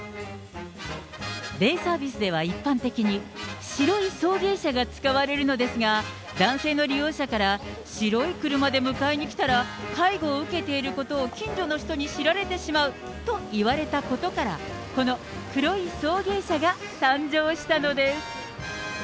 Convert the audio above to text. デイサービスでは一般的に、白い送迎車が使われるのですが、男性の利用者から、白い車で迎えに来たら、介護を受けていることを近所の人に知られてしまうと言われたことから、この黒い送迎車が誕生したのです。